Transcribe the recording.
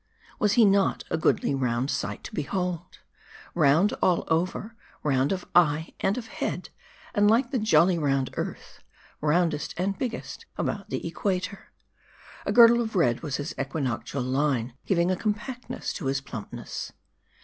Was he not a goodly round sight to behold ? Round all over ; round of eye and of head ; and like the jolly round Earth, roundest and biggest about the Equator. A girdle of red was his Equinoctial Line, giving a compactness to his plumpness.